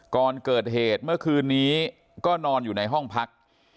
ก่อนเกิดเหตุเมื่อคืนนี้ก็นอนอยู่ในห้องพัก